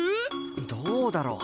どうだろう？